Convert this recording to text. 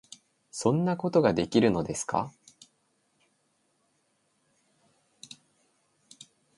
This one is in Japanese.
「そんなことができるのですか？」